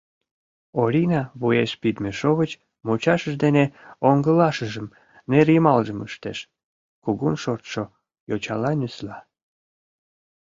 Орина вуеш пидме шовыч мучашыж дене оҥылашыжым, нерйымалжым ӱштеш, кугун шортшо йочала нюсла.